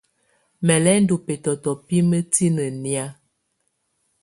Mɛ̀ lɛ̀ ndù bɛtɔtɔ bɛ mǝtinǝ́ nɛ̀á.